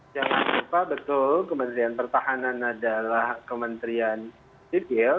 jangan lupa betul kementerian pertahanan adalah kementerian sipil